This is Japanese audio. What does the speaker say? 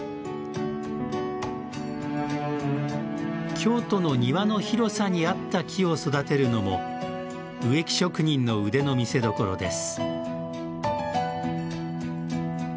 京都の庭の広さに合った木を育てるのも植木職人の腕の見せどころです。